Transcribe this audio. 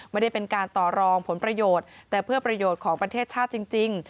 ไม่ได้เป็นการต่อรองผลประโยชน์แต่เพื่อประโยชน์ของประเทศชาติจริง